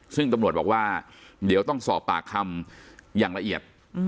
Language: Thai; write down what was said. ซึ่งตำรวจบอกว่าเดี๋ยวต้องสอบปากคำอย่างละเอียด